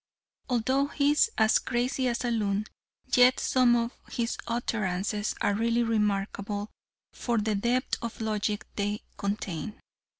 Although he is as crazy as a loon, yet some of his utterances are really remarkable for the depth of logic they contain.